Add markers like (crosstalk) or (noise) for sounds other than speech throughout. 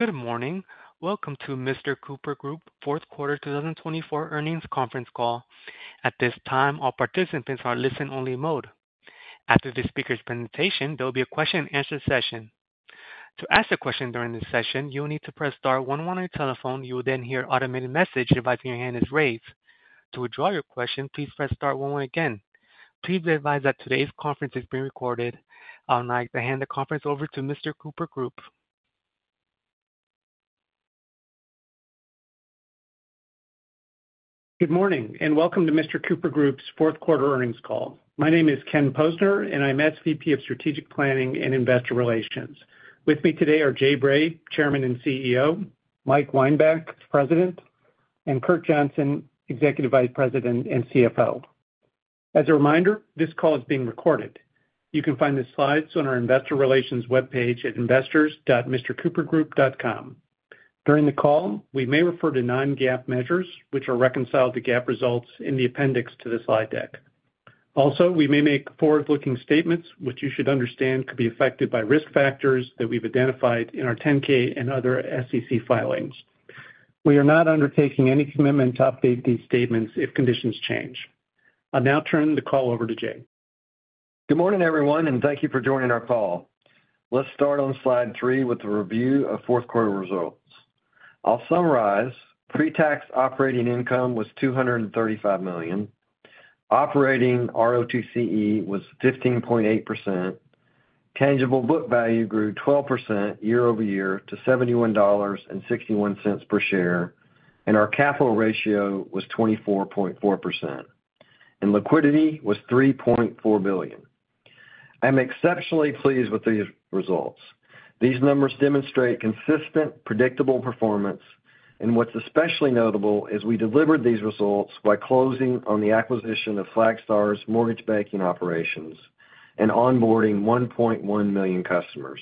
Good morning. Welcome to Mr. Cooper Group, Fourth Quarter 2024 Earnings Conference Call. At this time, all participants are in listen-only mode. After this speaker's presentation, there will be a question-and-answer session. To ask a question during this session, you will need to press star one one on your telephone. You will then hear an automated message advising your hand is raised. To withdraw your question, please press star one one again. Please be advised that today's conference is being recorded. I would like to hand the conference over to Mr. Cooper Group. Good morning and welcome to Mr. Cooper Group's Fourth Quarter Earnings Call. My name is Ken Posner, and I'm SVP of Strategic Planning and Investor Relations. With me today are Jay Bray, Chairman and CEO, Mike Weinbach, President, and Kurt Johnson, Executive Vice President and CFO. As a reminder, this call is being recorded. You can find the slides on our Investor Relations webpage at investors.mrcoopergroup.com. During the call, we may refer to non-GAAP measures, which are reconciled to GAAP results, in the appendix to the slide deck. Also, we may make forward-looking statements, which you should understand could be affected by risk factors that we've identified in our 10-K and other SEC filings. We are not undertaking any commitment to update these statements if conditions change. I'll now turn the call over to Jay. Good morning, everyone, and thank you for joining our call. Let's start on slide three with the review of fourth quarter results. I'll summarize. Pre-tax operating income was $235 million. Operating ROTCE was 15.8%. Tangible book value grew 12% year over year to $71.61 per share, and our capital ratio was 24.4%, and liquidity was $3.4 billion. I'm exceptionally pleased with these results. These numbers demonstrate consistent, predictable performance, and what's especially notable is we delivered these results by closing on the acquisition of Flagstar's mortgage banking operations and onboarding 1.1 million customers.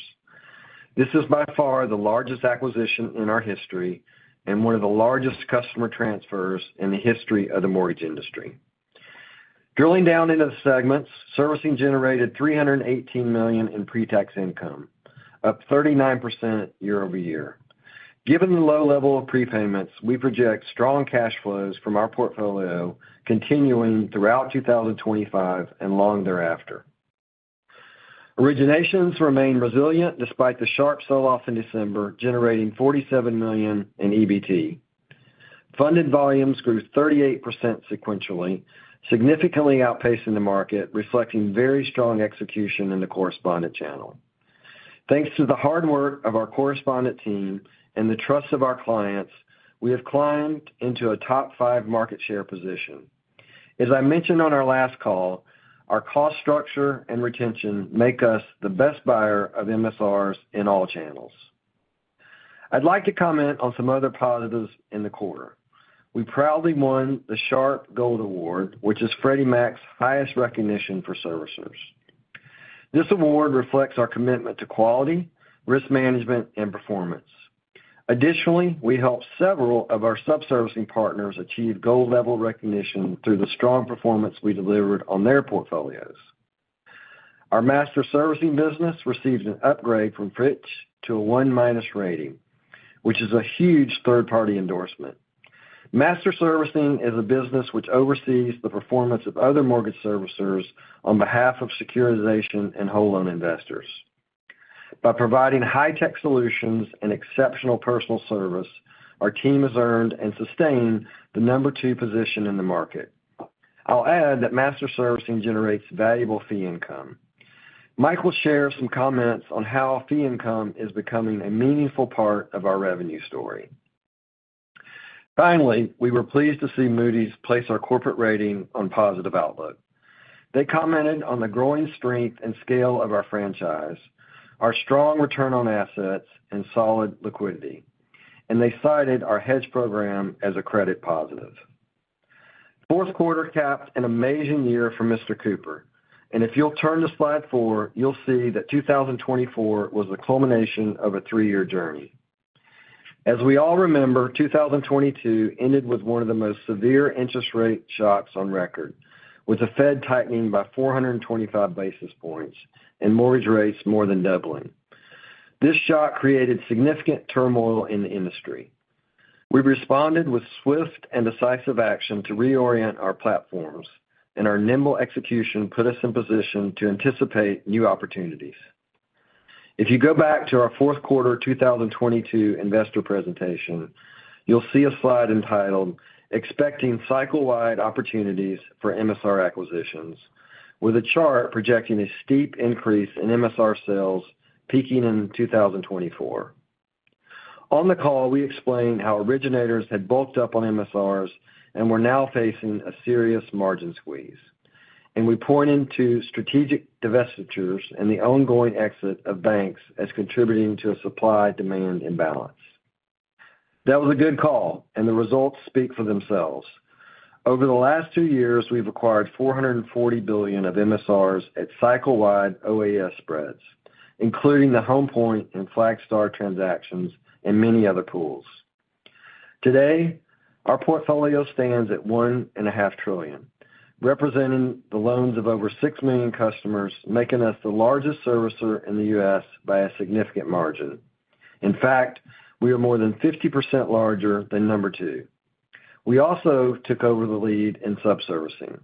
This is by far the largest acquisition in our history and one of the largest customer transfers in the history of the mortgage industry. Drilling down into the segments, servicing generated $318 million in pre-tax income, up 39% year over year. Given the low level of prepayments, we project strong cash flows from our portfolio continuing throughout 2025 and long thereafter. Originations remain resilient despite the sharp sell-off in December, generating $47 million in EBT. Funded volumes grew 38% sequentially, significantly outpacing the market, reflecting very strong execution in the correspondent channel. Thanks to the hard work of our correspondent team and the trust of our clients, we have climbed into a top five market share position. As I mentioned on our last call, our cost structure and retention make us the best buyer of MSRs in all channels. I'd like to comment on some other positives in the quarter. We proudly won the SHARP Gold Award, which is Freddie Mac's highest recognition for servicers. This award reflects our commitment to quality, risk management, and performance. Additionally, we helped several of our sub-servicing partners achieve gold-level recognition through the strong performance we delivered on their portfolios. Our master servicing business received an upgrade from Fitch to a one minus rating, which is a huge third-party endorsement. Master servicing is a business which oversees the performance of other mortgage servicers on behalf of securitization and whole loan investors. By providing high-tech solutions and exceptional personal service, our team has earned and sustained the number two position in the market. I'll add that master servicing generates valuable fee income. Mike will share some comments on how fee income is becoming a meaningful part of our revenue story. Finally, we were pleased to see Moody's place our corporate rating on positive outlook. They commented on the growing strength and scale of our franchise, our strong return on assets, and solid liquidity. They cited our hedge program as a credit positive. Fourth quarter capped an amazing year for Mr. Cooper. If you'll turn to slide four, you'll see that 2024 was the culmination of a three-year journey. As we all remember, 2022 ended with one of the most severe interest rate shocks on record, with the Fed tightening by 425 basis points and mortgage rates more than doubling. This shock created significant turmoil in the industry. We responded with swift and decisive action to reorient our platforms, and our nimble execution put us in position to anticipate new opportunities. If you go back to our fourth quarter 2022 investor presentation, you'll see a slide entitled, "Expecting Cycle-Wide Opportunities for MSR Acquisitions," with a chart projecting a steep increase in MSR sales peaking in 2024. On the call, we explained how originators had bulked up on MSRs and were now facing a serious margin squeeze. And we pointed to strategic divestitures and the ongoing exit of banks as contributing to a supply-demand imbalance. That was a good call, and the results speak for themselves. Over the last two years, we've acquired $440 billion of MSRs at cycle-wide OAS spreads, including the Home Point and Flagstar transactions and many other pools. Today, our portfolio stands at $1.5 trillion, representing the loans of over 6 million customers, making us the largest servicer in the U.S. by a significant margin. In fact, we are more than 50% larger than number two. We also took over the lead in sub-servicing.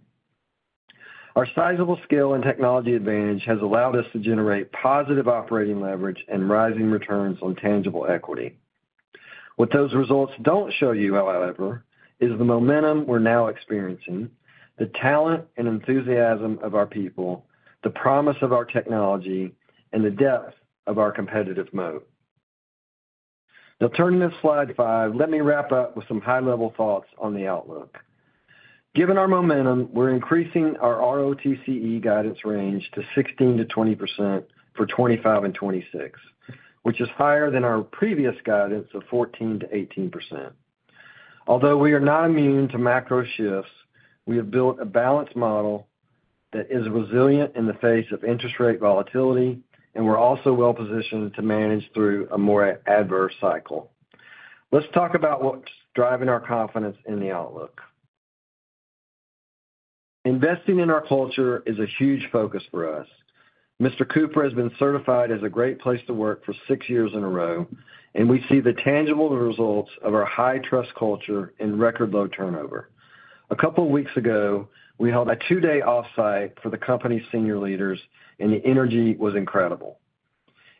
Our sizable skill and technology advantage has allowed us to generate positive operating leverage and rising returns on tangible equity. What those results don't show you, however, is the momentum we're now experiencing, the talent and enthusiasm of our people, the promise of our technology, and the depth of our competitive moat. Now, turning to slide five, let me wrap up with some high-level thoughts on the outlook. Given our momentum, we're increasing our ROTCE guidance range to 16%-20% for 2025 and 2026, which is higher than our previous guidance of 14%-18%. Although we are not immune to macro shifts, we have built a balanced model that is resilient in the face of interest rate volatility, and we're also well-positioned to manage through a more adverse cycle. Let's talk about what's driving our confidence in the outlook. Investing in our culture is a huge focus for us. Mr. Cooper has been certified as a Great Place to Work for six years in a row, and we see the tangible results of our high trust culture and record low turnover. A couple of weeks ago, we held a two-day offsite for the company's senior leaders, and the energy was incredible.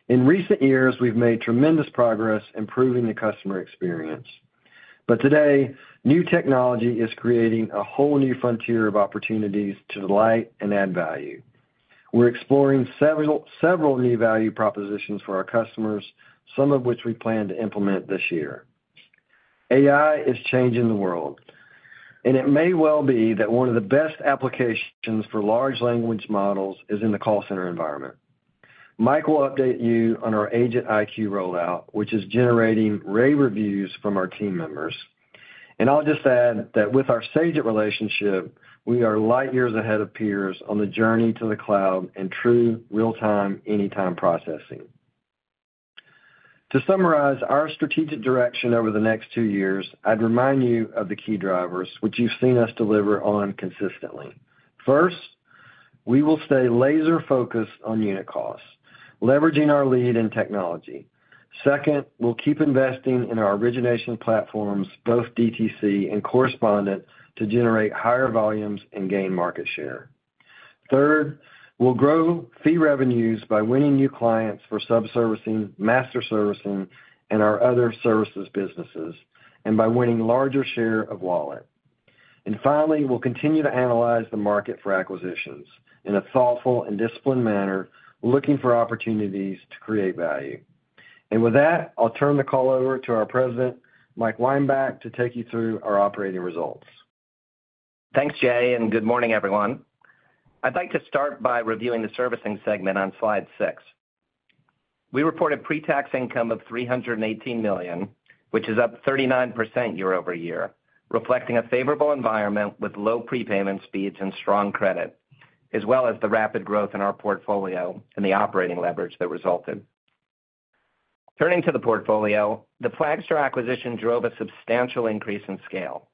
In recent years, we've made tremendous progress in improving the customer experience. But today, new technology is creating a whole new frontier of opportunities to delight and add value. We're exploring several new value propositions for our customers, some of which we plan to implement this year. AI is changing the world, and it may well be that one of the best applications for large language models is in the call center environment. Mike will update you on our Agent IQ rollout, which is generating rave reviews from our team members. And I'll just add that with our Sagent relationship, we are light years ahead of peers on the journey to the cloud and true real-time, anytime processing. To summarize our strategic direction over the next two years, I'd remind you of the key drivers, which you've seen us deliver on consistently. First, we will stay laser-focused on unit costs, leveraging our lead in technology. Second, we'll keep investing in our origination platforms, both DTC and correspondent, to generate higher volumes and gain market share. Third, we'll grow fee revenues by winning new clients for sub-servicing, master servicing, and our other services businesses, and by winning a larger share of wallet. And finally, we'll continue to analyze the market for acquisitions in a thoughtful and disciplined manner, looking for opportunities to create value. With that, I'll turn the call over to our President, Mike Weinbach, to take you through our operating results. Thanks, Jay, and good morning, everyone. I'd like to start by reviewing the servicing segment on slide six. We reported pre-tax income of $318 million, which is up 39% year over year, reflecting a favorable environment with low prepayment speeds and strong credit, as well as the rapid growth in our portfolio and the operating leverage that resulted. Turning to the portfolio, the Flagstar acquisition drove a substantial increase in scale.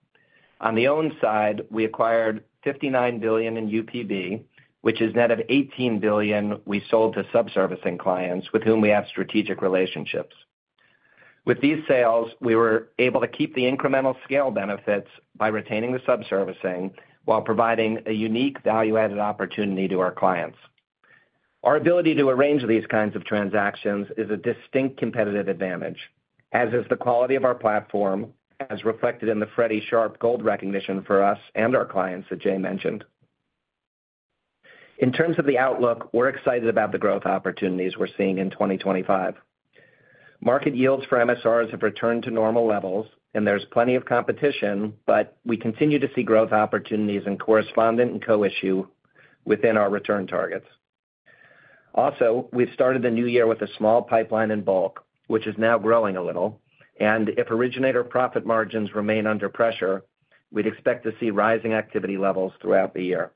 On the own side, we acquired $59 billion in UPB, which is net of $18 billion we sold to sub-servicing clients with whom we have strategic relationships. With these sales, we were able to keep the incremental scale benefits by retaining the sub-servicing while providing a unique value-added opportunity to our clients. Our ability to arrange these kinds of transactions is a distinct competitive advantage, as is the quality of our platform, as reflected in the Freddie Mac SHARP Gold recognition for us and our clients that Jay mentioned. In terms of the outlook, we're excited about the growth opportunities we're seeing in 2025. Market yields for MSRs have returned to normal levels, and there's plenty of competition, but we continue to see growth opportunities in correspondent and co-issue within our return targets. Also, we've started the new year with a small pipeline in bulk, which is now growing a little. And if originator profit margins remain under pressure, we'd expect to see rising activity levels throughout the year.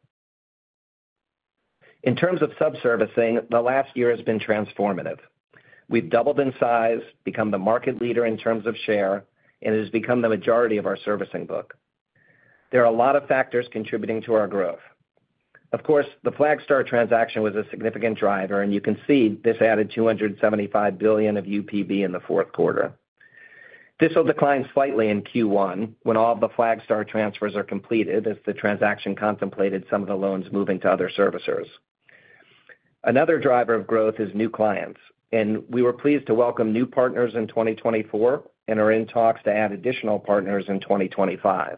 In terms of sub-servicing, the last year has been transformative. We've doubled in size, become the market leader in terms of share, and it has become the majority of our servicing book. There are a lot of factors contributing to our growth. Of course, the Flagstar transaction was a significant driver, and you can see this added $275 billion of UPB in the fourth quarter. This will decline slightly in Q1 when all of the Flagstar transfers are completed as the transaction contemplated some of the loans moving to other servicers. Another driver of growth is new clients, and we were pleased to welcome new partners in 2024 and are in talks to add additional partners in 2025.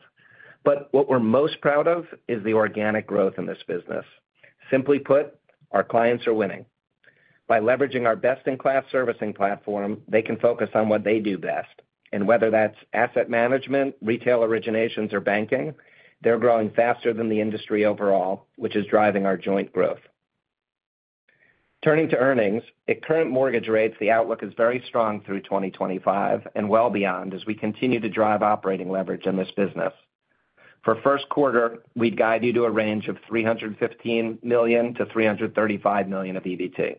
What we're most proud of is the organic growth in this business. Simply put, our clients are winning. By leveraging our best-in-class servicing platform, they can focus on what they do best, and whether that's asset management, retail originations, or banking, they're growing faster than the industry overall, which is driving our joint growth. Turning to earnings, at current mortgage rates, the outlook is very strong through 2025 and well beyond as we continue to drive operating leverage in this business. For first quarter, we'd guide you to a range of $315 million-$335 million of EBT.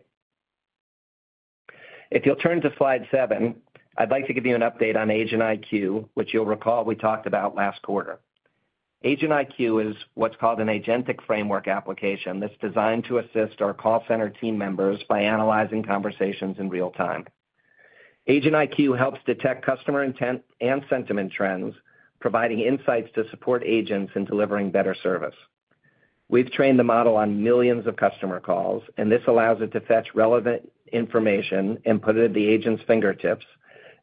If you'll turn to slide seven, I'd like to give you an update on Agent IQ, which you'll recall we talked about last quarter. Agent IQ is what's called an agentic framework application that's designed to assist our call center team members by analyzing conversations in real time. Agent IQ helps detect customer intent and sentiment trends, providing insights to support agents in delivering better service. We've trained the model on millions of customer calls, and this allows it to fetch relevant information and put it at the agent's fingertips,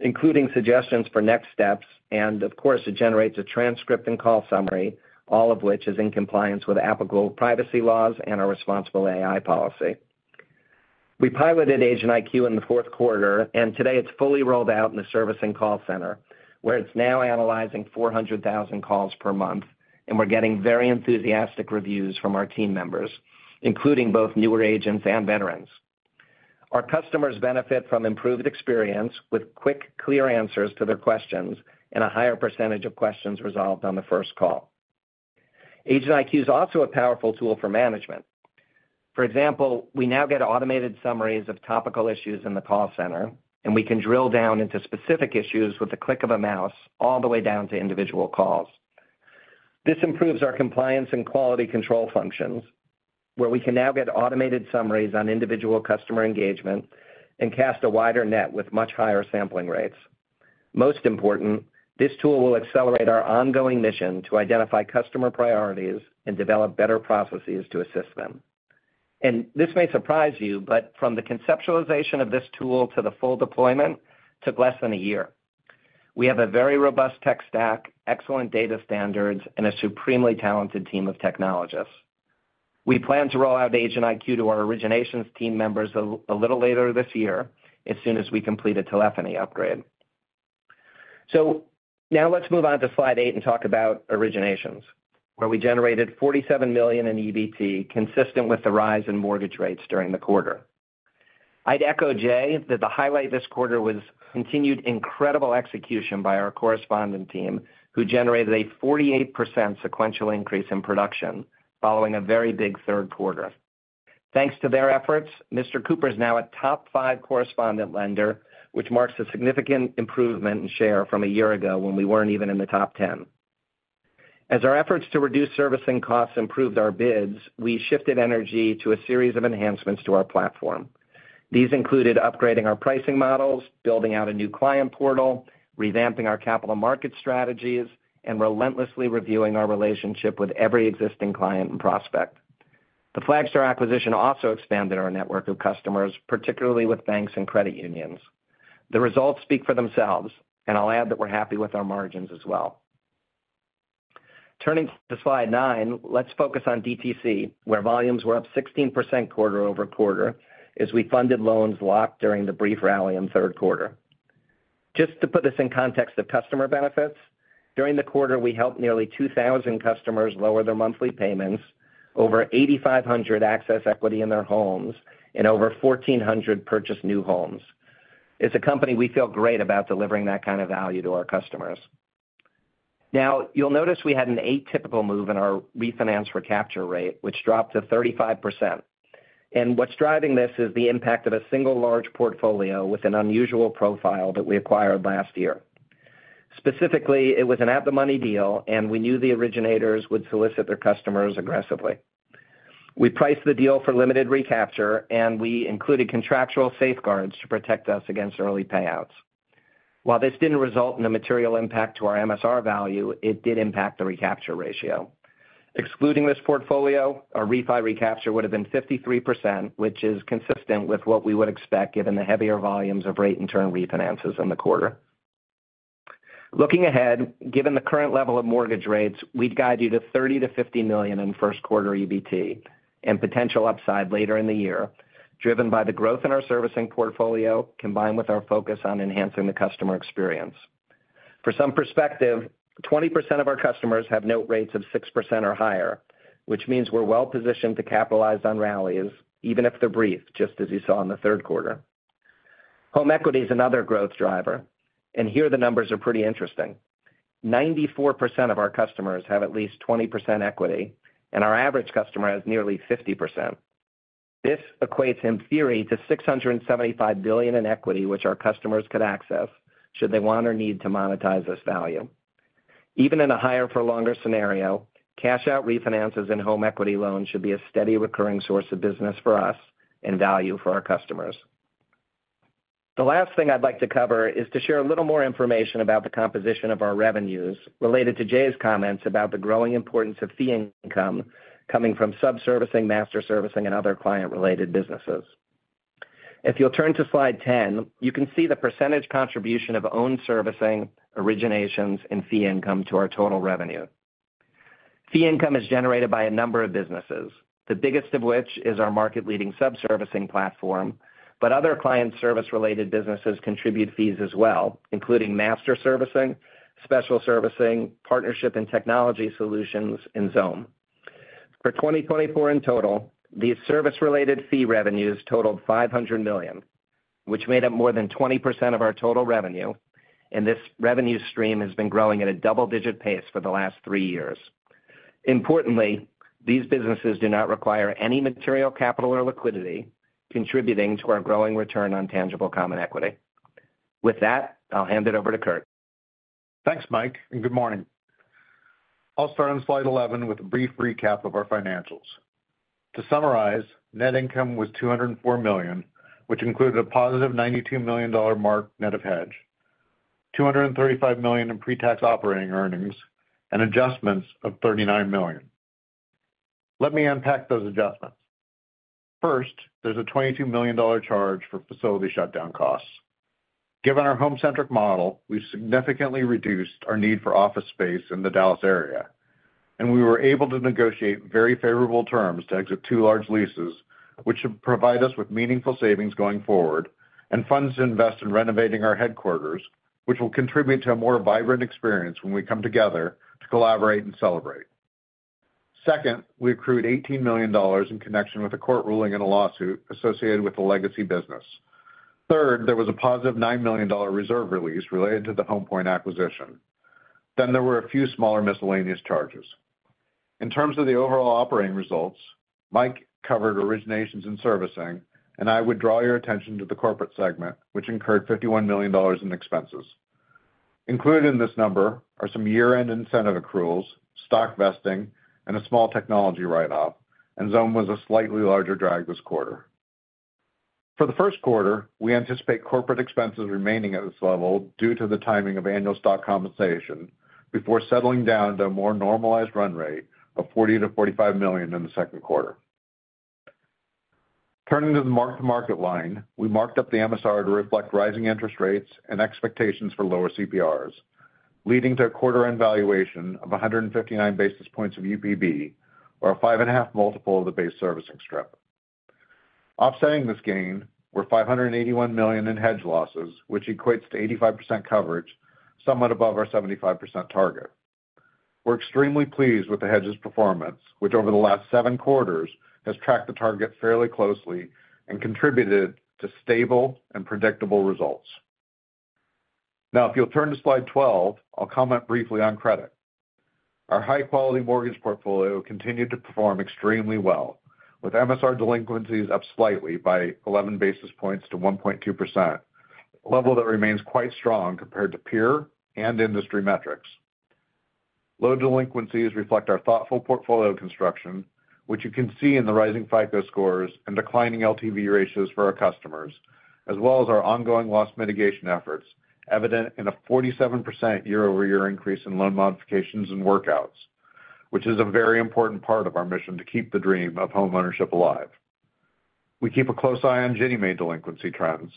including suggestions for next steps. Of course, it generates a transcript and call summary, all of which is in compliance with applicable privacy laws and our responsible AI policy. We piloted Agent IQ in the fourth quarter, and today it's fully rolled out in the servicing call center, where it's now analyzing 400,000 calls per month, and we're getting very enthusiastic reviews from our team members, including both newer agents and veterans. Our customers benefit from improved experience with quick, clear answers to their questions and a higher percentage of questions resolved on the first call. Agent IQ is also a powerful tool for management. For example, we now get automated summaries of topical issues in the call center, and we can drill down into specific issues with the click of a mouse all the way down to individual calls. This improves our compliance and quality control functions, where we can now get automated summaries on individual customer engagement and cast a wider net with much higher sampling rates. Most important, this tool will accelerate our ongoing mission to identify customer priorities and develop better processes to assist them. And this may surprise you, but from the conceptualization of this tool to the full deployment took less than a year. We have a very robust tech stack, excellent data standards, and a supremely talented team of technologists. We plan to roll out Agent IQ to our originations team members a little later this year, as soon as we complete a telephony upgrade. So now let's move on to slide eight and talk about originations, where we generated $47 million in EBT, consistent with the rise in mortgage rates during the quarter. I'd echo, Jay, that the highlight this quarter was continued incredible execution by our correspondent team, who generated a 48% sequential increase in production following a very big third quarter. Thanks to their efforts, Mr. Cooper is now a top five correspondent lender, which marks a significant improvement in share from a year ago when we weren't even in the top 10. As our efforts to reduce servicing costs improved our bids, we shifted energy to a series of enhancements to our platform. These included upgrading our pricing models, building out a new client portal, revamping our capital market strategies, and relentlessly reviewing our relationship with every existing client and prospect. The Flagstar acquisition also expanded our network of customers, particularly with banks and credit unions. The results speak for themselves, and I'll add that we're happy with our margins as well. Turning to slide nine, let's focus on DTC, where volumes were up 16% quarter over quarter as we funded loans locked during the brief rally in third quarter. Just to put this in context of customer benefits, during the quarter, we helped nearly 2,000 customers lower their monthly payments, over 8,500 access equity in their homes, and over 1,400 purchased new homes. It's a company we feel great about delivering that kind of value to our customers. Now, you'll notice we had an atypical move in our refinance recapture rate, which dropped to 35%, and what's driving this is the impact of a single large portfolio with an unusual profile that we acquired last year. Specifically, it was an at-the-money deal, and we knew the originators would solicit their customers aggressively. We priced the deal for limited recapture, and we included contractual safeguards to protect us against early payouts. While this didn't result in a material impact to our MSR value, it did impact the recapture ratio. Excluding this portfolio, our refi recapture would have been 53%, which is consistent with what we would expect given the heavier volumes of rate and term refinances in the quarter. Looking ahead, given the current level of mortgage rates, we'd guide you to $30-$50 million in first quarter EBT and potential upside later in the year, driven by the growth in our servicing portfolio combined with our focus on enhancing the customer experience. For some perspective, 20% of our customers have note rates of 6% or higher, which means we're well-positioned to capitalize on rallies, even if they're brief, just as you saw in the third quarter. Home equity is another growth driver, and here the numbers are pretty interesting. 94% of our customers have at least 20% equity, and our average customer has nearly 50%. This equates, in theory, to $675 billion in equity, which our customers could access should they want or need to monetize this value. Even in a higher-for-longer scenario, cash-out refinances and home equity loans should be a steady recurring source of business for us and value for our customers. The last thing I'd like to cover is to share a little more information about the composition of our revenues related to Jay's comments about the growing importance of fee income coming from sub-servicing, master servicing, and other client-related businesses. If you'll turn to slide 10, you can see the percentage contribution of owned servicing, originations, and fee income to our total revenue. Fee income is generated by a number of businesses, the biggest of which is our market-leading sub-servicing platform, but other client service-related businesses contribute fees as well, including master servicing, special servicing, partnership and technology solutions, and Xome. For 2024 in total, these service-related fee revenues totaled $500 million, which made up more than 20% of our total revenue, and this revenue stream has been growing at a double-digit pace for the last three years. Importantly, these businesses do not require any material capital or liquidity, contributing to our growing return on tangible common equity. With that, I'll hand it over to Kurt. Thanks, Mike, and good morning. I'll start on slide 11 with a brief recap of our financials. To summarize, net income was $204 million, which included a positive $92 million mark net of hedge, $235 million in pre-tax operating earnings, and adjustments of $39 million. Let me unpack those adjustments. First, there's a $22 million charge for facility shutdown costs. Given our home-centric model, we've significantly reduced our need for office space in the Dallas area, and we were able to negotiate very favorable terms to exit two large leases, which should provide us with meaningful savings going forward and funds to invest in renovating our headquarters, which will contribute to a more vibrant experience when we come together to collaborate and celebrate. Second, we accrued $18 million in connection with a court ruling in a lawsuit associated with a legacy business. Third, there was a positive $9 million reserve release related to the Home Point acquisition. Then there were a few smaller miscellaneous charges. In terms of the overall operating results, Mike covered originations and servicing, and I would draw your attention to the corporate segment, which incurred $51 million in expenses. Included in this number are some year-end incentive accruals, stock vesting, and a small technology write-off, and Xome was a slightly larger drag this quarter. For the first quarter, we anticipate corporate expenses remaining at this level due to the timing of annual stock compensation before settling down to a more normalized run rate of $40-$45 million in the second quarter. Turning to the mark-to-market line, we marked up the MSR to reflect rising interest rates and expectations for lower CPRs, leading to a quarter-end valuation of 159 basis points of UPB, or a five-and-a-half multiple of the base servicing strip. Offsetting this gain were $581 million in hedge losses, which equates to 85% coverage, somewhat above our 75% target. We're extremely pleased with the hedges' performance, which over the last seven quarters has tracked the target fairly closely and contributed to stable and predictable results. Now, if you'll turn to slide 12, I'll comment briefly on credit. Our high-quality mortgage portfolio continued to perform extremely well, with MSR delinquencies up slightly by 11 basis points to 1.2%, a level that remains quite strong compared to peer and industry metrics. Low delinquencies reflect our thoughtful portfolio construction, which you can see in the rising FICO scores and declining LTV ratios for our customers, as well as our ongoing loss mitigation efforts, evident in a 47% year-over-year increase in loan modifications and workouts, which is a very important part of our mission to keep the dream of homeownership alive. We keep a close eye on Ginnie Mae delinquency trends,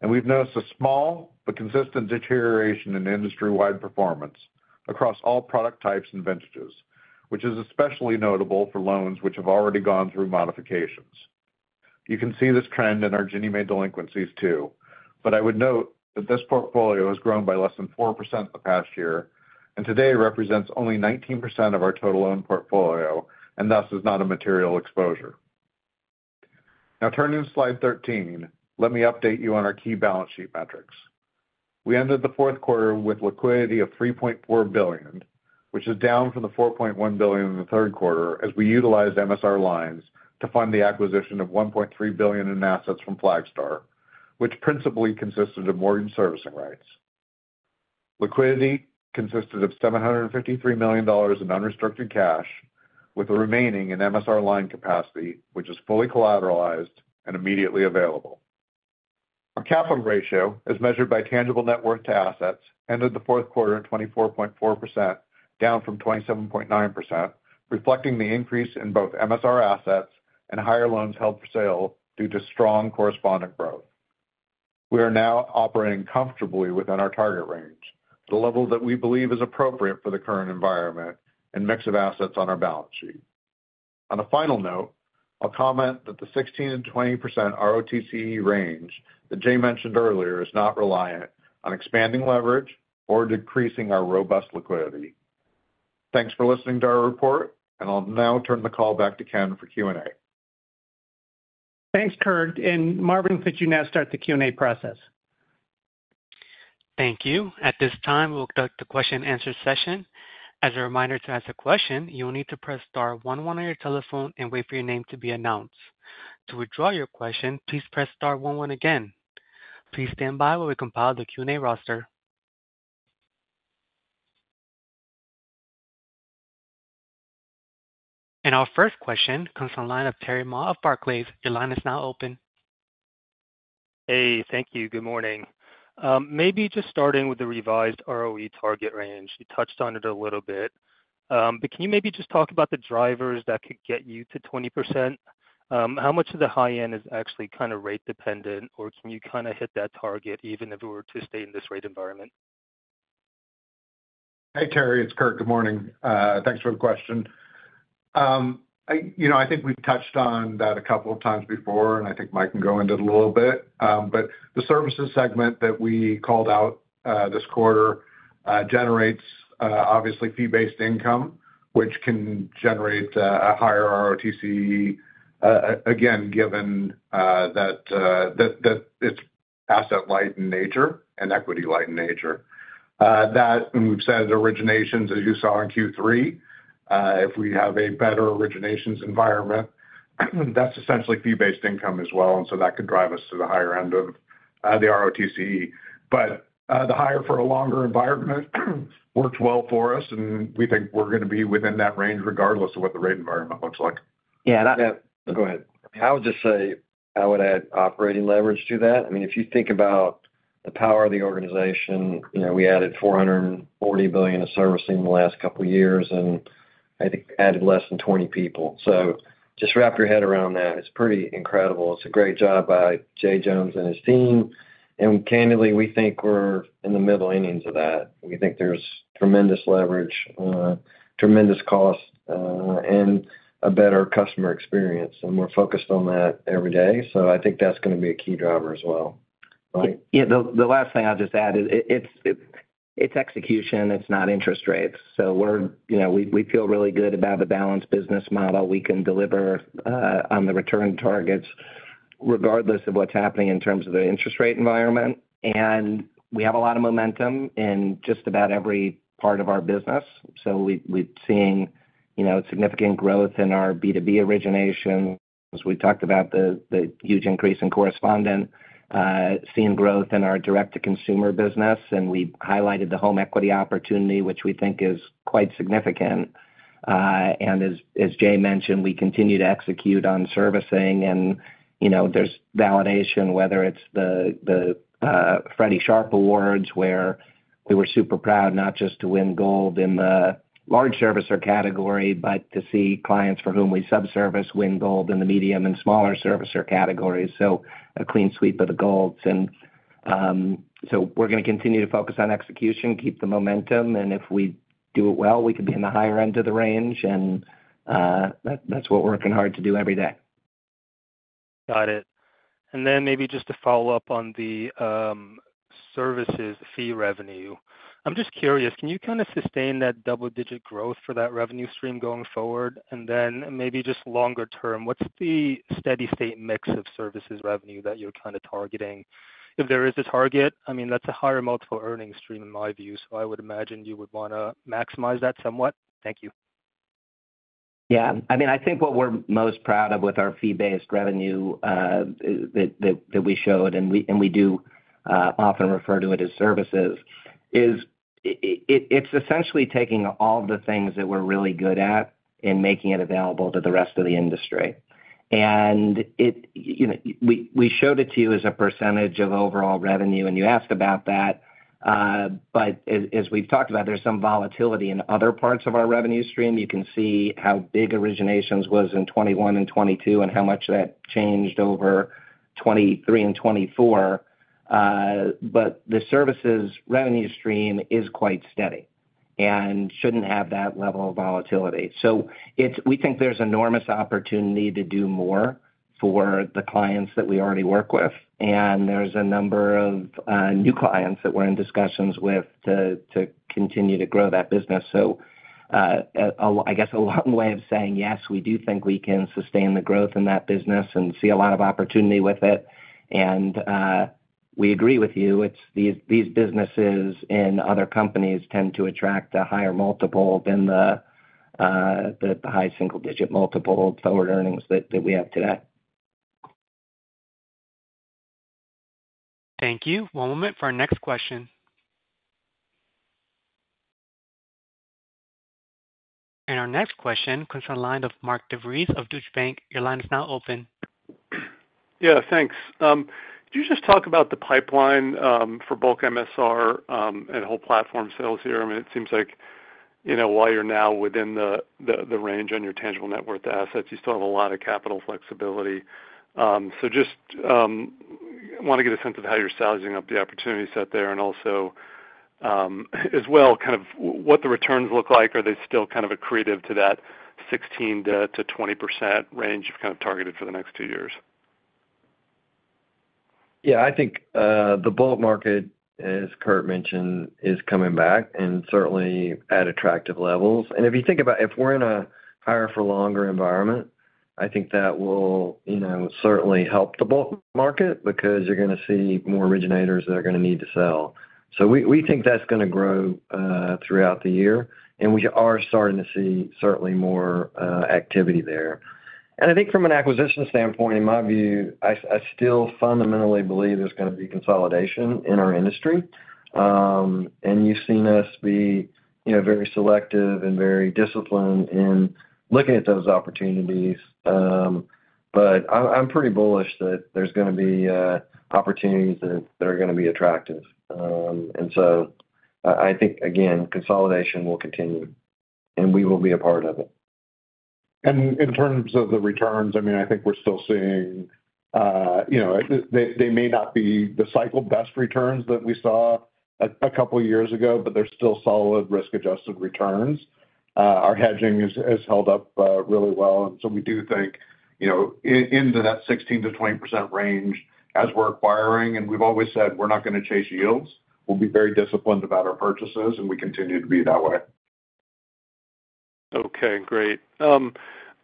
and we've noticed a small but consistent deterioration in industry-wide performance across all product types and vintages, which is especially notable for loans which have already gone through modifications. You can see this trend in our Ginnie Mae delinquencies too, but I would note that this portfolio has grown by less than 4% the past year and today represents only 19% of our total owned portfolio and thus is not a material exposure. Now, turning to slide 13, let me update you on our key balance sheet metrics. We ended the fourth quarter with liquidity of $3.4 billion, which is down from the $4.1 billion in the third quarter as we utilized MSR lines to fund the acquisition of $1.3 billion in assets from Flagstar, which principally consisted of mortgage servicing rights. Liquidity consisted of $753 million in unrestricted cash, with the remaining in MSR line capacity, which is fully collateralized and immediately available. Our capital ratio is measured by tangible net worth to assets, ended the fourth quarter at 24.4%, down from 27.9%, reflecting the increase in both MSR assets and higher loans held for sale due to strong correspondent growth. We are now operating comfortably within our target range, the level that we believe is appropriate for the current environment and mix of assets on our balance sheet. On a final note, I'll comment that the 16%-20% ROTCE range that Jay mentioned earlier is not reliant on expanding leverage or decreasing our robust liquidity. Thanks for listening to our report, and I'll now turn the call back to Ken for Q&A. Thanks, Kurt. And Marvin, could you now start the Q&A process? Thank you. At this time, we'll conduct a question-and-answer session. As a reminder to ask a question, you'll need to press star one one on your telephone and wait for your name to be announced. To withdraw your question, please press star one one again. Please stand by while we compile the Q&A roster. And our first question comes from the line of Terry Ma of Barclays. Your line is now open. Hey, thank you. Good morning. Maybe just starting with the revised ROE target range. You touched on it a little bit, but can you maybe just talk about the drivers that could get you to 20%? How much of the high-end is actually kind of rate-dependent, or can you kind of hit that target even if it were to stay in this rate environment? Hey, Terry. It's Kurt. Good morning. Thanks for the question. I think we've touched on that a couple of times before, and I think Mike can go into it a little bit. But the services segment that we called out this quarter generates obviously fee-based income, which can generate a higher ROTCE, again, given that it's asset-light in nature and equity-light in nature. That we've said originations, as you saw in Q3, if we have a better originations environment, that's essentially fee-based income as well, and so that could drive us to the higher end of the ROTCE. But the higher for a longer environment works well for us, and we think we're going to be within that range regardless of what the rate environment looks like. Yeah, go ahead. I mean, I would just say I would add operating leverage to that. I mean, if you think about the power of the organization, we added $440 billion of servicing in the last couple of years, and I think added less than 20 people. So just wrap your head around that. It's pretty incredible. It's a great job by Jay Jones and his team. And candidly, we think we're in the middle-innings of that. We think there's tremendous leverage, tremendous cost, and a better customer experience, and we're focused on that every day. So I think that's going to be a key driver as well. Yeah, the last thing I'll just add is it's execution. It's not interest rates. So we feel really good about the balanced business model. We can deliver on the return targets regardless of what's happening in terms of the interest rate environment. And we have a lot of momentum in just about every part of our business. So we're seeing significant growth in our B2B originations. We talked about the huge increase in correspondent, seeing growth in our direct-to-consumer business, and we highlighted the home equity opportunity, which we think is quite significant. And as Jay mentioned, we continue to execute on servicing, and there's validation, whether it's the Freddie Mac SHARP awards, where we were super proud not just to win gold in the large servicer category, but to see clients for whom we sub-service win gold in the medium and smaller servicer categories. So a clean sweep of the golds. And so we're going to continue to focus on execution, keep the momentum, and if we do it well, we could be in the higher end of the range, and that's what we're working hard to do every day. Got it. And then maybe just to follow up on the servicing fee revenue, I'm just curious, can you kind of sustain that double-digit growth for that revenue stream going forward? And then maybe just longer term, what's the steady-state mix of servicing revenue that you're kind of targeting? If there is a target, I mean, that's a higher multiple earnings stream in my view, so I would imagine you would want to maximize that somewhat. Thank you. Yeah. I mean, I think what we're most proud of with our fee-based revenue that we showed, and we do often refer to it as services, is it's essentially taking all the things that we're really good at and making it available to the rest of the industry. And we showed it to you as a percentage of overall revenue, and you asked about that. But as we've talked about, there's some volatility in other parts of our revenue stream. You can see how big originations was in 2021 and 2022 and how much that changed over 2023 and 2024. But the services revenue stream is quite steady and shouldn't have that level of volatility. So we think there's enormous opportunity to do more for the clients that we already work with, and there's a number of new clients that we're in discussions with to continue to grow that business. So I guess a long way of saying, yes, we do think we can sustain the growth in that business and see a lot of opportunity with it. And we agree with you. These businesses and other companies tend to attract a higher multiple than the high single-digit multiple forward earnings that we have today. Thank you. One moment for our next question. And our next question comes from the line of Mark DeVries of Deutsche Bank. Your line is now open. Yeah, thanks. Could you just talk about the pipeline for bulk MSR and whole platform sales here? I mean, it seems like while you're now within the range on your tangible net worth assets, you still have a lot of capital flexibility. So just want to get a sense of how you're sizing up the opportunity set there and also as well kind of what the returns look like. Are they still kind of accretive to that 16%-20% range you've kind of targeted for the next two years? Yeah, I think the bulk market, as Kurt mentioned, is coming back and certainly at attractive levels. And if you think about if we're in a higher-for-longer environment, I think that will certainly help the bulk market because you're going to see more originators that are going to need to sell. So we think that's going to grow throughout the year, and we are starting to see certainly more activity there. And I think from an acquisition standpoint, in my view, I still fundamentally believe there's going to be consolidation in our industry. And you've seen us be very selective and very disciplined in looking at those opportunities. But I'm pretty bullish that there's going to be opportunities that are going to be attractive. And so I think, again, consolidation will continue, and we will be a part of it. And in terms of the returns, I mean, I think we're still seeing they may not be the cycle-best returns that we saw a couple of years ago, but they're still solid risk-adjusted returns. Our hedging has held up really well. And so we do think into that 16%-20% range as we're acquiring. And we've always said we're not going to chase yields. We'll be very disciplined about our purchases, and we continue to be that way. Okay, great. As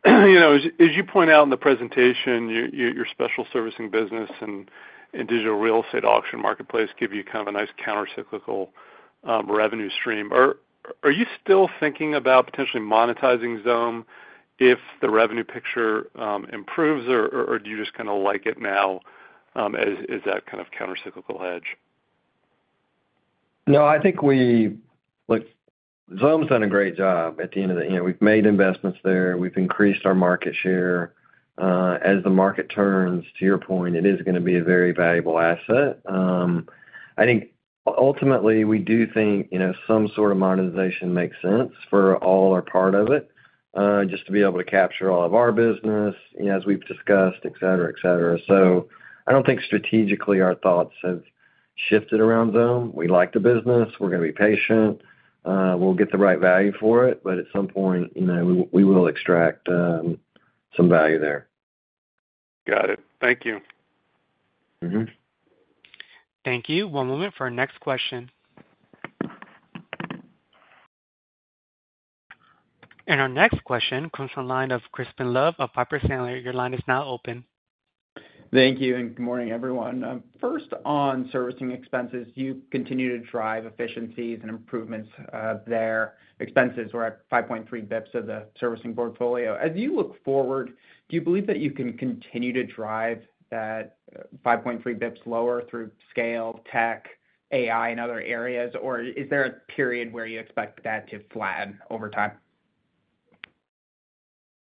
you point out in the presentation, your special servicing business and digital real estate auction marketplace give you kind of a nice countercyclical revenue stream. Are you still thinking about potentially monetizing Xome if the revenue picture improves, or do you just kind of like it now as that kind of countercyclical hedge? No, I think Xome's done a great job at the end of the year. We've made investments there. We've increased our market share. As the market turns, to your point, it is going to be a very valuable asset. I think ultimately, we do think some sort of monetization makes sense for all or part of it just to be able to capture all of our business as we've discussed, etc., etc. So I don't think strategically our thoughts have shifted around Xome. We like the business. We're going to be patient. We'll get the right value for it, but at some point, we will extract some value there. Got it. Thank you. Thank you. One moment for our next question, and our next question comes from the line of Crispin Love of Piper Sandler. Your line is now open. Thank you and good morning, everyone. First, on servicing expenses, you continue to drive efficiencies and improvements there. Expenses were at 5.3 basis points of the servicing portfolio. As you look forward, do you believe that you can continue to drive that 5.3 basis points lower through scale, tech, AI, and other areas, or is there a period where you expect that to flatten over time?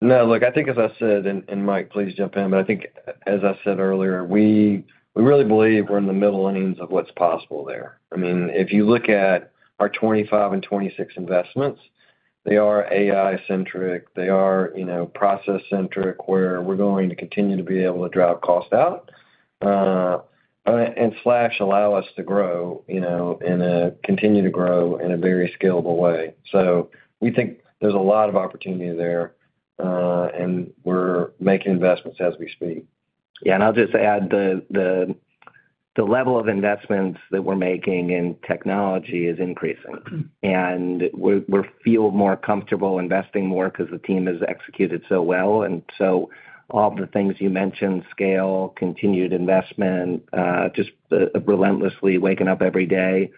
No, look, I think, as I said, and Mike, please jump in, but I think, as I said earlier, we really believe we're in the middle-innings of what's possible there. I mean, if you look at our 2025 and 2026 investments, they are AI-centric. They are process-centric where we're going to continue to be able to drive cost out and/or allow us to grow and continue to grow in a very scalable way. So we think there's a lot of opportunity there, and we're making investments as we speak. Yeah, and I'll just add the level of investments that we're making in technology is increasing, and we feel more comfortable investing more because the team has executed so well. And so all of the things you mentioned, scale, continued investment, just relentlessly waking up every day,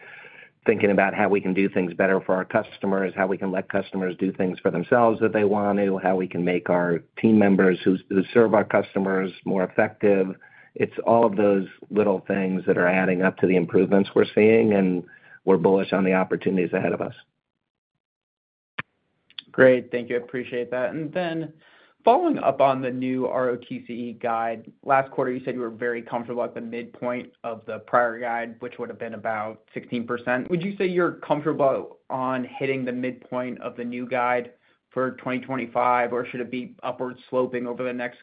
thinking about how we can do things better for our customers, how we can let customers do things for themselves that they want to, how we can make our team members who serve our customers more effective. It's all of those little things that are adding up to the improvements we're seeing, and we're bullish on the opportunities ahead of us. Great. Thank you. I appreciate that. And then following up on the new ROTCE guide, last quarter, you said you were very comfortable at the midpoint of the prior guide, which would have been about 16%. Would you say you're comfortable on hitting the midpoint of the new guide for 2025, or should it be upward sloping over the next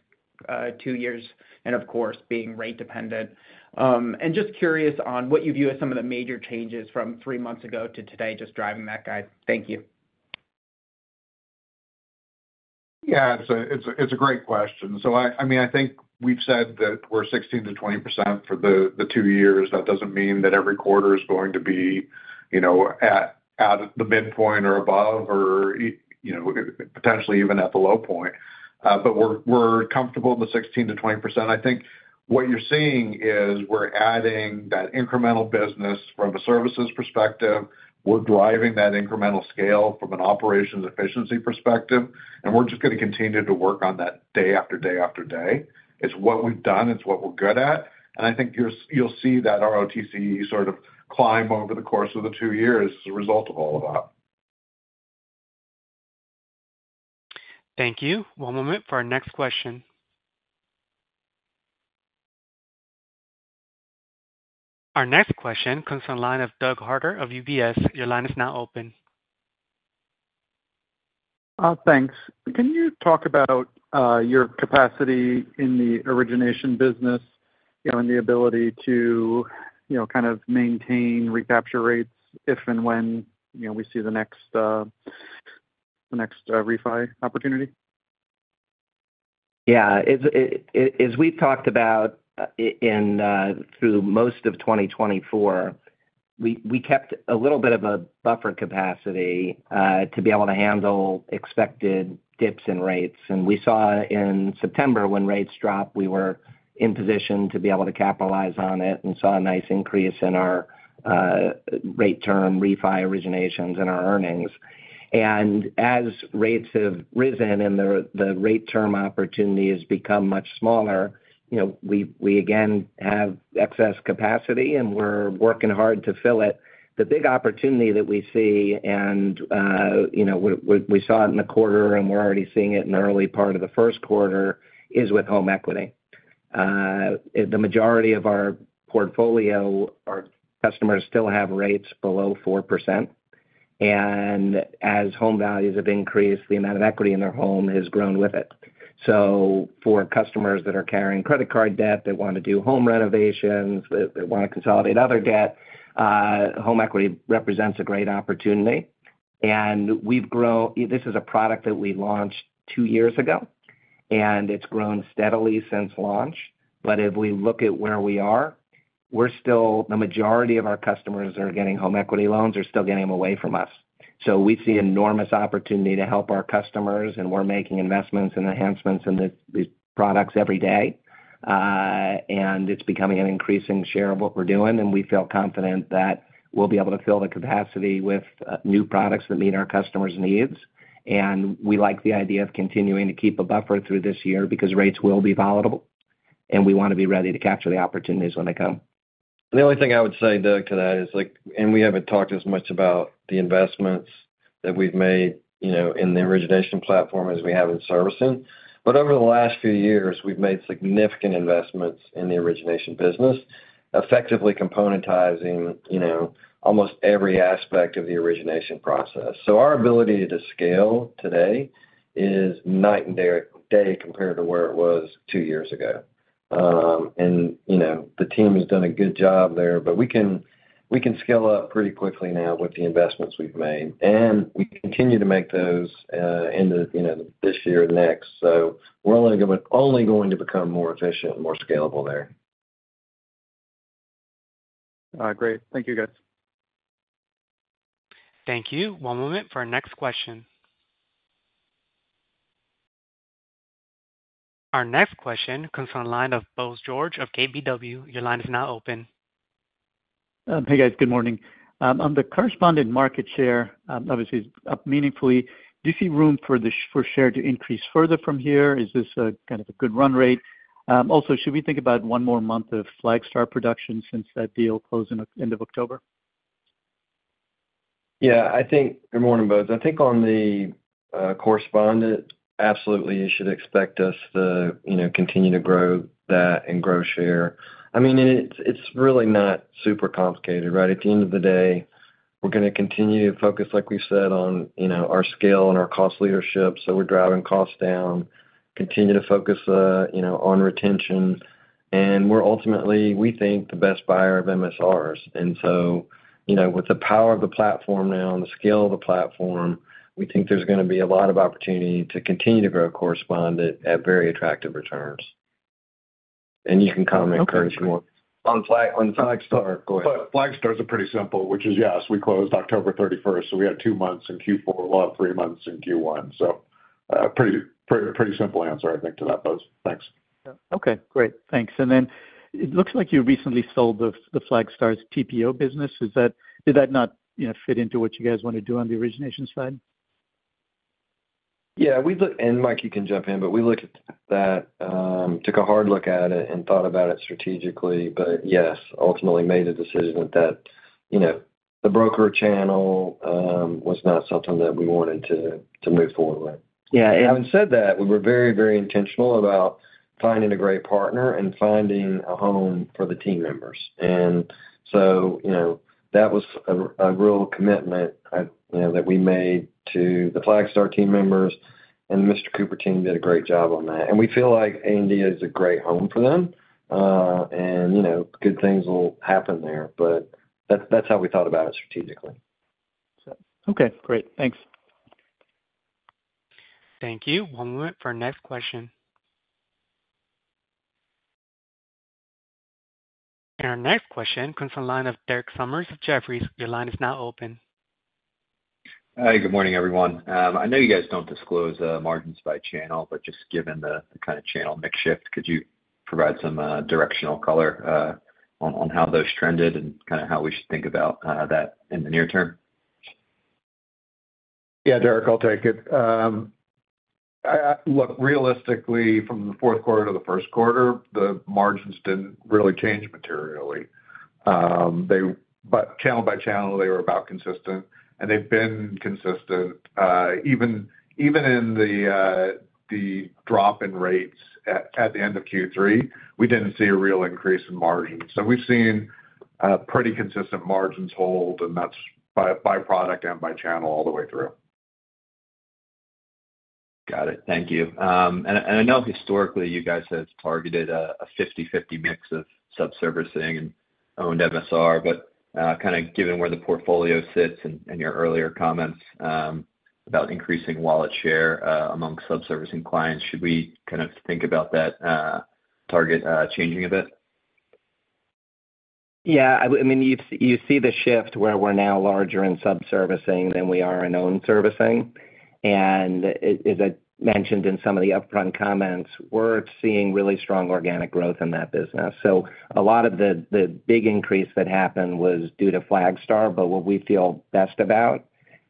two years and, of course, being rate-dependent? And just curious on what you view as some of the major changes from three months ago to today, just driving that guide. Thank you. Yeah, it's a great question. So I mean, I think we've said that we're 16%-20% for the two years. That doesn't mean that every quarter is going to be at the midpoint or above or potentially even at the low point. But we're comfortable in the 16%-20%. I think what you're seeing is we're adding that incremental business from a services perspective. We're driving that incremental scale from an operations efficiency perspective, and we're just going to continue to work on that day after day after day. It's what we've done. It's what we're good at. And I think you'll see that ROTCE sort of climb over the course of the two years as a result of all of that. Thank you. One moment for our next question. Our next question comes from the line of Doug Harter of UBS. Your line is now open. Thanks. Can you talk about your capacity in the origination business and the ability to kind of maintain recapture rates if and when we see the next refi opportunity? Yeah. As we've talked about through most of 2024, we kept a little bit of a buffer capacity to be able to handle expected dips in rates, and we saw in September when rates dropped, we were in position to be able to capitalize on it and saw a nice increase in our rate-term refi originations and our earnings. As rates have risen and the rate-term opportunity has become much smaller, we again have excess capacity, and we're working hard to fill it. The big opportunity that we see, and we saw it in the quarter, and we're already seeing it in the early part of the first quarter, is with home equity. The majority of our portfolio, our customers still have rates below 4%. As home values have increased, the amount of equity in their home has grown with it. So for customers that are carrying credit card debt, that want to do home renovations, that want to consolidate other debt, home equity represents a great opportunity. And this is a product that we launched two years ago, and it's grown steadily since launch. But if we look at where we are, the majority of our customers that are getting home equity loans are still getting them away from us. So we see enormous opportunity to help our customers, and we're making investments and enhancements in these products every day. And it's becoming an increasing share of what we're doing, and we feel confident that we'll be able to fill the capacity with new products that meet our customers' needs. We like the idea of continuing to keep a buffer through this year because rates will be volatile, and we want to be ready to capture the opportunities when they come. The only thing I would say, Doug, to that is, and we haven't talked as much about the investments that we've made in the origination platform as we have in servicing. Over the last few years, we've made significant investments in the origination business, effectively componentizing almost every aspect of the origination process. Our ability to scale today is night and day compared to where it was two years ago. The team has done a good job there, but we can scale up pretty quickly now with the investments we've made. We continue to make those into this year and next. We're only going to become more efficient and more scalable there. Great. Thank you, guys. Thank you. One moment for our next question. Our next question comes from the line of Bose George of KBW. Your line is now open. Hey, guys. Good morning. On the correspondent market share, obviously up meaningfully, do you see room for share to increase further from here? Is this kind of a good run rate? Also, should we think about one more month of Flagstar production since that deal closed at the end of October? Yeah. Good morning, Bose. I think on the correspondent, absolutely, you should expect us to continue to grow that and grow share. I mean, it's really not super complicated, right? At the end of the day, we're going to continue to focus, like we've said, on our scale and our cost leadership. So we're driving costs down, continue to focus on retention. And we're ultimately, we think, the best buyer of MSRs. And so with the power of the platform now and the scale of the platform, we think there's going to be a lot of opportunity to continue to grow correspondent at very attractive returns. And you can comment, Kurt, if you want. On Flagstar. Go ahead. Flagstar is pretty simple, which is, yes, we closed October 31st. So we had two months in Q4, well, three months in Q1. So pretty simple answer, I think, to that, Bose. Thanks. Okay. Great. Thanks. And then it looks like you recently sold the Flagstar's TPO business. Did that not fit into what you guys want to do on the origination side? Yeah. And Mike, you can jump in, but we took a hard look at it and thought about it strategically. But yes, ultimately, made a decision that the broker channel was not something that we wanted to move forward with. Having said that, we were very, very intentional about finding a great partner and finding a home for the team members. And so that was a real commitment that we made to the Flagstar team members. And Mr. Cooper's team did a great job on that. And we feel like A&D is a great home for them, and good things will happen there. But that's how we thought about it strategically. Okay. Great. Thanks. Thank you. One moment for our next question. And our next question comes from the line of Derek Sommers of Jefferies. Your line is now open. Hi. Good morning, everyone. I know you guys don't disclose margins by channel, but just given the kind of channel mix shift, could you provide some directional color on how those trended and kind of how we should think about that in the near term? Yeah, Derek, I'll take it. Look, realistically, from the fourth quarter to the first quarter, the margins didn't really change materially. But channel by channel, they were about consistent, and they've been consistent. Even in the drop in rates at the end of Q3, we didn't see a real increase in margins. So we've seen pretty consistent margins hold, and that's by product and by channel all the way through. Got it. Thank you. And I know historically, you guys have targeted a 50/50 mix of sub-servicing and owned MSR. But kind of given where the portfolio sits and your earlier comments about increasing wallet share among sub-servicing clients, should we kind of think about that target changing a bit? Yeah. I mean, you see the shift where we're now larger in sub-servicing than we are in owned servicing. And as I mentioned in some of the upfront comments, we're seeing really strong organic growth in that business. So a lot of the big increase that happened was due to Flagstar. But what we feel best about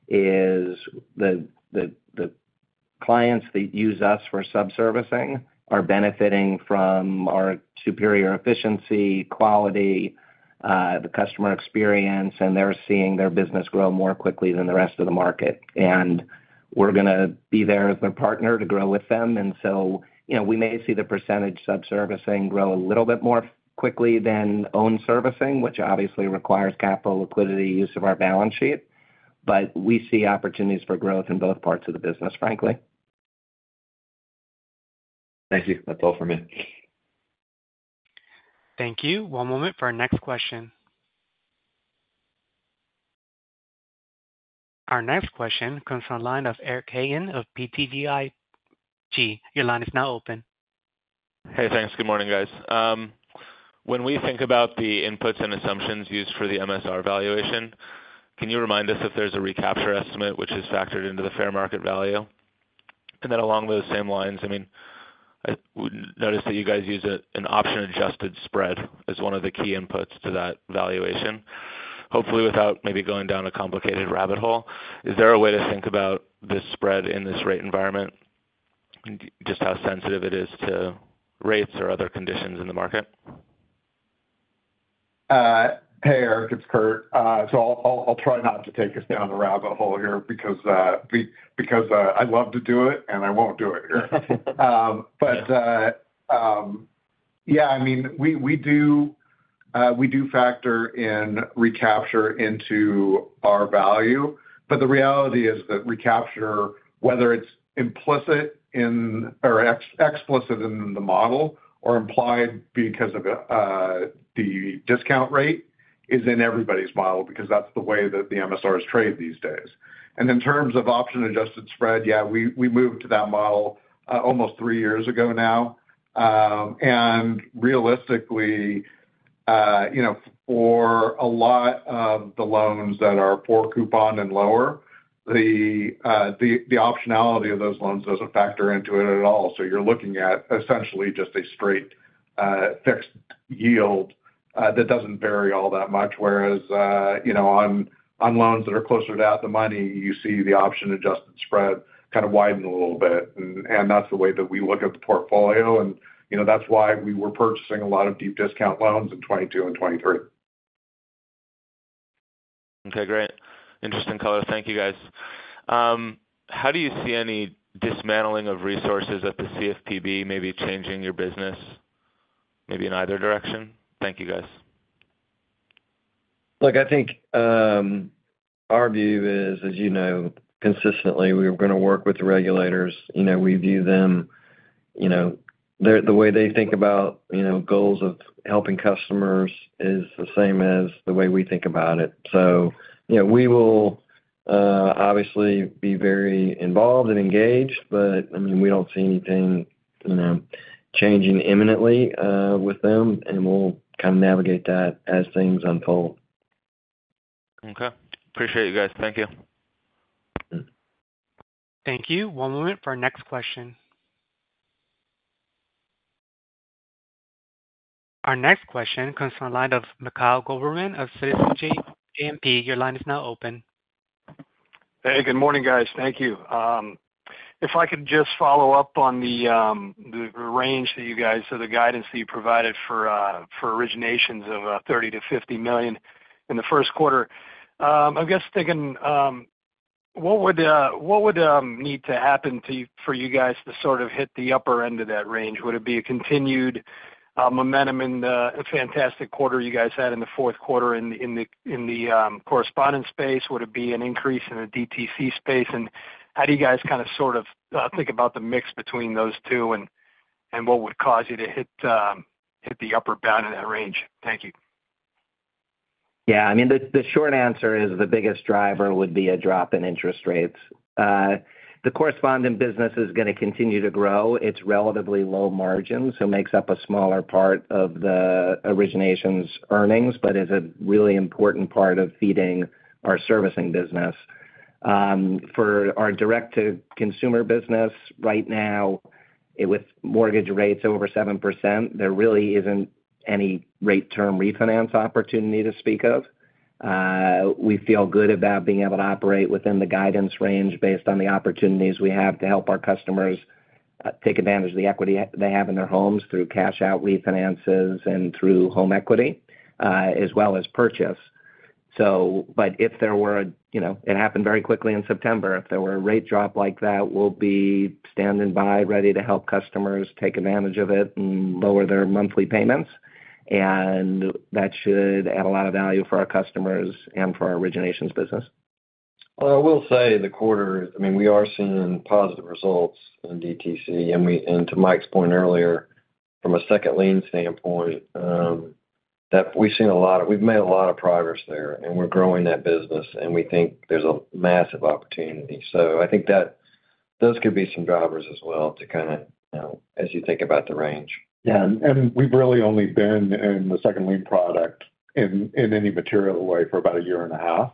is the clients that use us for sub-servicing are benefiting from our superior efficiency, quality, the customer experience, and they're seeing their business grow more quickly than the rest of the market. And we're going to be there as their partner to grow with them. And so we may see the percentage sub-servicing grow a little bit more quickly than owned servicing, which obviously requires capital, liquidity, use of our balance sheet. But we see opportunities for growth in both parts of the business, frankly. Thank you. That's all for me. Thank you. One moment for our next question. Our next question comes from the line of Eric Hagen of BTIG. Your line is now open. Hey, thanks. Good morning, guys. When we think about the inputs and assumptions used for the MSR valuation, can you remind us if there's a recapture estimate which is factored into the fair market value? And then along those same lines, I mean, we noticed that you guys use an option-adjusted spread as one of the key inputs to that valuation, hopefully without maybe going down a complicated rabbit hole. Is there a way to think about this spread in this rate environment, just how sensitive it is to rates or other conditions in the market? Hey, Eric. It's Kurt. So I'll try not to take us down the rabbit hole here because I love to do it, and I won't do it here. But yeah, I mean, we do factor in recapture into our value. But the reality is that recapture, whether it's implicit or explicit in the model or implied because of the discount rate, is in everybody's model because that's the way that the MSRs trade these days. In terms of option-adjusted spread, yeah, we moved to that model almost three years ago now. Realistically, for a lot of the loans that are four coupon and lower, the optionality of those loans doesn't factor into it at all. You're looking at essentially just a straight fixed yield that doesn't vary all that much. Whereas on loans that are closer to out of the money, you see the option-adjusted spread kind of widen a little bit. And that's the way that we look at the portfolio. And that's why we were purchasing a lot of deep discount loans in 2022 and 2023. Okay. Great. Interesting color. Thank you, guys. How do you see any dismantling of resources at the CFPB maybe changing your business, maybe in either direction? Thank you, guys. Look, I think our view is, as you know, consistently, we're going to work with the regulators. We view them the way they think about goals of helping customers is the same as the way we think about it, so we will obviously be very involved and engaged, but I mean, we don't see anything changing imminently with them, and we'll kind of navigate that as things unfold. Okay. Appreciate it, guys. Thank you. Thank you. One moment for our next question. Our next question comes from the line of Mikhail Goverman of Citizens JMP. Your line is now open. Hey, good morning, guys. Thank you. If I could just follow up on the range that you guys or the guidance that you provided for originations of $30 million-$50 million in the first quarter, I'm just thinking, what would need to happen for you guys to sort of hit the upper end of that range? Would it be a continued momentum in the fantastic quarter you guys had in the fourth quarter in the correspondent space? Would it be an increase in the DTC space? And how do you guys kind of sort of think about the mix between those two and what would cause you to hit the upper bound in that range? Thank you. Yeah. I mean, the short answer is the biggest driver would be a drop in interest rates. The correspondent business is going to continue to grow. It's relatively low margins, so it makes up a smaller part of the originations earnings, but is a really important part of feeding our servicing business. For our direct-to-consumer business right now, with mortgage rates over 7%, there really isn't any rate-term refinance opportunity to speak of. We feel good about being able to operate within the guidance range based on the opportunities we have to help our customers take advantage of the equity they have in their homes through cash-out refinances and through home equity, as well as purchase, but if there were a rate drop like that—it happened very quickly in September—we'll be standing by, ready to help customers take advantage of it and lower their monthly payments. That should add a lot of value for our customers and for our originations business. I will say the quarter, I mean, we are seeing positive results in DTC. And to Mike's point earlier, from a second lien standpoint, we've made a lot of progress there, and we're growing that business, and we think there's a massive opportunity. So I think those could be some drivers as well to kind of, as you think about the range. Yeah. And we've really only been in the second lien product in any material way for about a year and a half.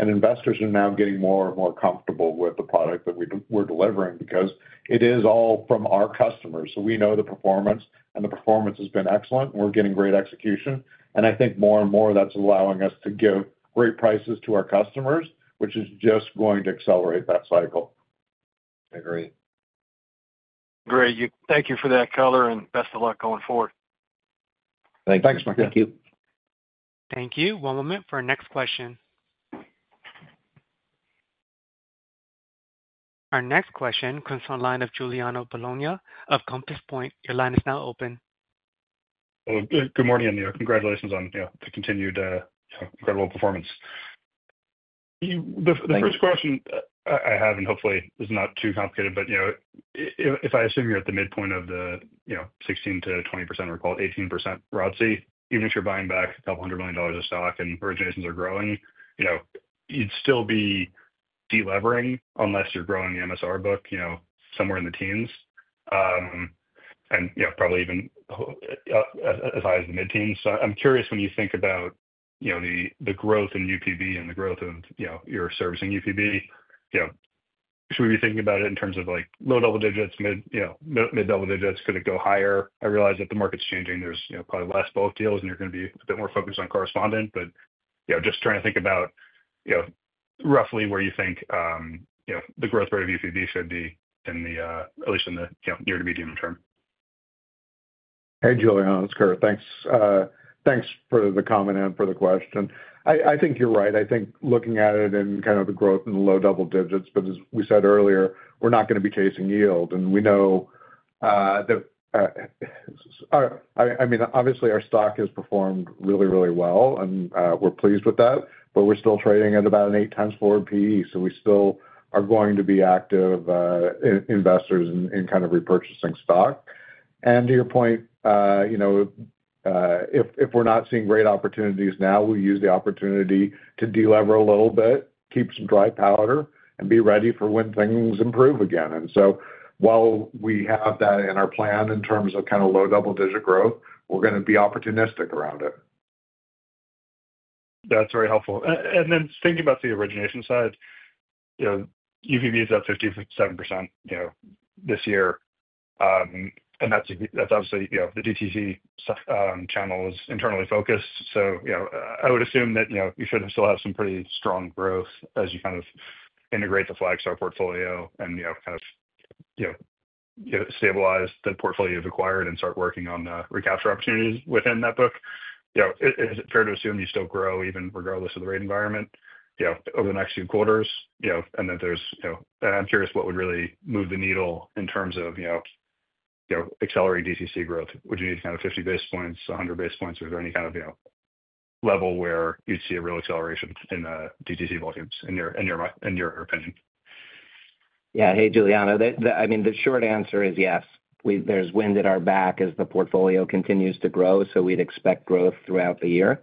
And investors are now getting more and more comfortable with the product that we're delivering because it is all from our customers. So we know the performance, and the performance has been excellent. We're getting great execution. And I think more and more, that's allowing us to give great prices to our customers, which is just going to accelerate that cycle. Agreed. Great. Thank you for that color, and best of luck going forward. (crosstalk) Thank you. Thank you. One moment for our next question. Our next question comes from the line of Giuliano Bologna of Compass Point. Your line is now open. Good morning, and congratulations on the continued incredible performance. The first question I have, and hopefully, is not too complicated, but if I assume you're at the midpoint of the 16%-20%, or call it 18% ROTCE, even if you're buying back $200 million of stock and originations are growing, you'd still be delevering unless you're growing the MSR book somewhere in the teens and probably even as high as the mid-teens. So I'm curious, when you think about the growth in UPB and the growth of your servicing UPB, should we be thinking about it in terms of low double digits, mid double digits? Could it go higher? I realize that the market's changing. There's probably less bulk deals, and you're going to be a bit more focused on correspondent. But just trying to think about roughly where you think the growth rate of UPB should be at least in the near to medium term. Hey, Giuliano. It's Kurt. Thanks for the comment and for the question. I think you're right. I think looking at it in kind of the growth and the low double digits, but as we said earlier, we're not going to be chasing yield. And we know that, I mean, obviously, our stock has performed really, really well, and we're pleased with that. But we're still trading at about an eight times forward PE. So we still are going to be active investors in kind of repurchasing stock. And to your point, if we're not seeing great opportunities now, we use the opportunity to delever a little bit, keep some dry powder, and be ready for when things improve again. And so while we have that in our plan in terms of kind of low double digit growth, we're going to be opportunistic around it. That's very helpful. And then thinking about the origination side, UPB is up 57% this year. And that's obviously the DTC channel is internally focused. So I would assume that you should still have some pretty strong growth as you kind of integrate the Flagstar portfolio and kind of stabilize the portfolio you've acquired and start working on recapture opportunities within that book. Is it fair to assume you still grow even regardless of the rate environment over the next few quarters? And then I'm curious, what would really move the needle in terms of accelerating DTC growth? Would you need kind of 50 basis points, 100 basis points, or is there any kind of level where you'd see a real acceleration in DTC volumes in your opinion? Yeah. Hey, Giuliano. I mean, the short answer is yes. There's wind at our back as the portfolio continues to grow. So we'd expect growth throughout the year.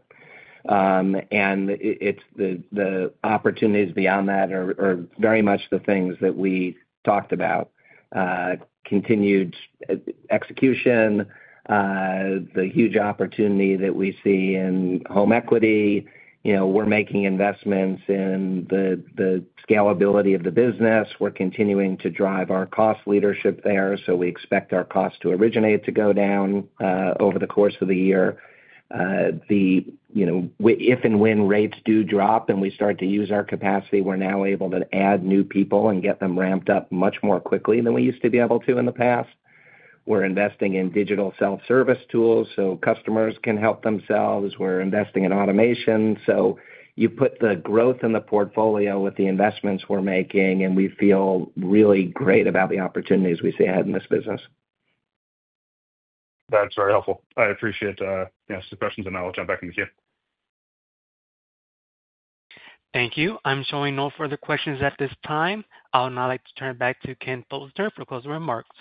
And the opportunities beyond that are very much the things that we talked about: continued execution, the huge opportunity that we see in home equity. We're making investments in the scalability of the business. We're continuing to drive our cost leadership there. So we expect our cost to originate to go down over the course of the year. If and when rates do drop and we start to use our capacity, we're now able to add new people and get them ramped up much more quickly than we used to be able to in the past. We're investing in digital self-service tools so customers can help themselves. We're investing in automation. So you put the growth in the portfolio with the investments we're making, and we feel really great about the opportunities we see ahead in this business. That's very helpful. I appreciate the questions and knowledge. I'm back in the queue. Thank you. I'm showing no further questions at this time. I'll now like to turn it back to Ken Posner for closing remarks.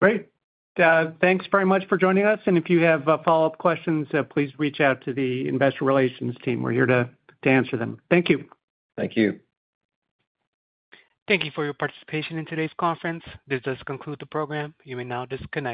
Great. Thanks very much for joining us. And if you have follow-up questions, please reach out to the investor relations team. We're here to answer them. Thank you. Thank you. Thank you for your participation in today's conference. This does conclude the program. You may now disconnect.